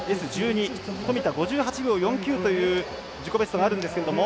富田、５８秒４９という自己ベストがあるんですけれども。